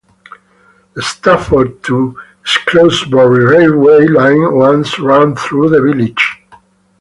The Stafford to Shrewsbury railway line once ran through the village.